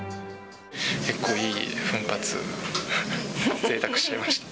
結構いい奮発、ぜいたくしちゃいました。